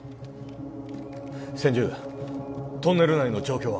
千住トンネル内の状況は？